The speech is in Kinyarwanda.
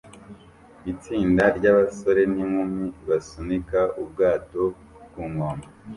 itsinda ry'abasore n'inkumi basunika ubwato ku nkombe